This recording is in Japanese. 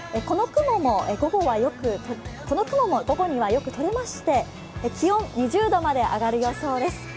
この雲も午後にはよくとれまして気温２０度まで上がる予想です。